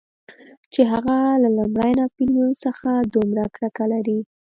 چې هغه له لومړي ناپلیون څخه دومره کرکه لري.